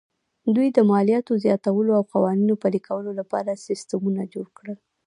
دوی د مالیاتو زیاتولو او د قوانینو پلي کولو لپاره سیستمونه جوړ کړل